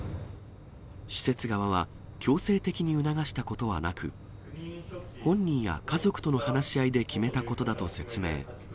施設側は、強制的に促したことはなく、本人や家族との話し合いで決めたことだと説明。